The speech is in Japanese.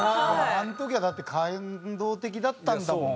あの時はだって感動的だったんだもん。